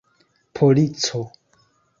polico